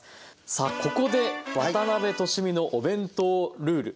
さあここで渡辺俊美のお弁当ルール。